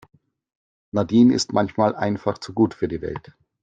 Nadine ist manchmal einfach zu gut für die Welt.